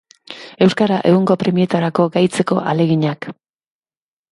Euskara egungo premietarako gaitzeko ahaleginak.